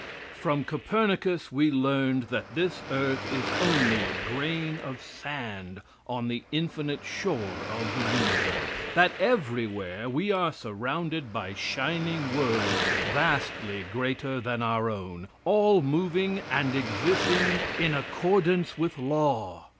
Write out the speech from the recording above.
From Copernicus we learned that this earth is only a grain of sand on the infinite shore of the universe; that everywhere we are surrounded by shining worlds vastly greater than our own, all moving and existing in accordance with law.